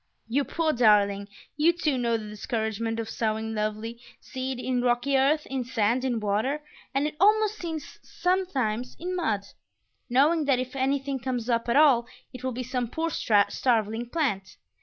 You poor darling! You, too, know the discouragement of sowing lovely seed in rocky earth, in sand, in water, and (it almost seems sometimes) in mud; knowing that if anything comes up at all it will be some poor starveling plant.